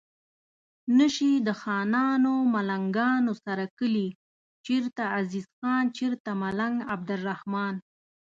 نه شي د خانانو ملنګانو سره کلي چرته عزیز خان چرته ملنګ عبدالرحمان